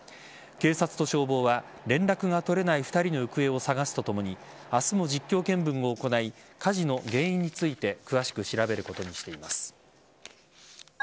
警察と消防は連絡が取れない２人の行方を捜すとともに明日も実況見分を行い火事の原因について詳しく調べることにしています。